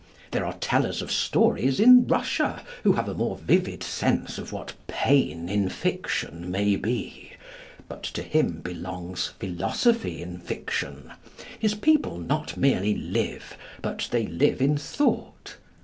There are tellers of stories in Russia who have a more vivid sense of what pain in fiction may be. But to him belongs philosophy in fiction. His people not merely live, but they live in thought.